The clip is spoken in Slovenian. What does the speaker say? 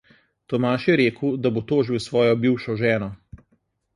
Tomaž je rekel, da bo tožil svojo bivšo ženo.